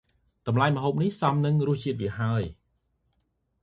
តំលៃម្ហូបនេះ សមនឹងរសជាតិវាហើយ ។